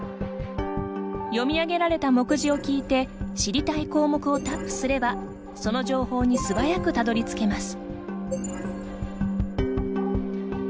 読み上げられた目次を聞いて知りたい項目をタップすればその情報に素早くたどり着けます。